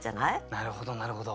なるほどなるほど。